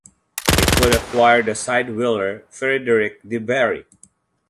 It would acquire the sidewheeler "Frederick DeBary".